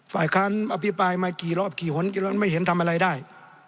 ฝ่ายค้านอภิปรายมากี่รอบกี่หนไม่เห็นทำอะไรได้